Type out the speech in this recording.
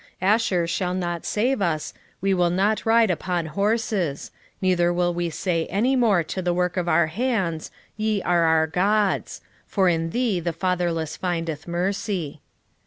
14:3 Asshur shall not save us; we will not ride upon horses: neither will we say any more to the work of our hands, Ye are our gods: for in thee the fatherless findeth mercy.